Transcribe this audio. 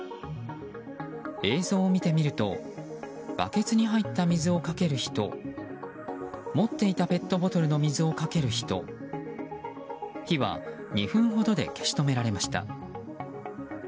映像を見てみるとバケツに入った水をかける人持っていたペットボトルの水をかける人火は２分ほどで消し止められました。